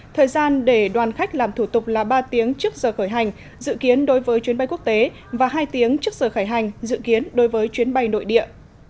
thời gian để đoàn khách làm thủ tục là ba tiếng trước giờ khởi hành dự kiến đối với chuyến bay quốc tế và hai tiếng trước giờ khởi hành dự kiến đối với chuyến bay nội địa